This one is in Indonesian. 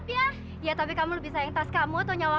ya jangan kalian gati ya